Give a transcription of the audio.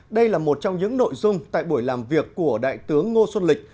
đây là một trong những nội dung tại buổi làm việc của đại tướng ngô xuân lịch